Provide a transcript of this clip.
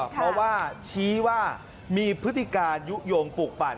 เพราะว่าชี้ว่ามีพฤติการยุโยงปลูกปั่น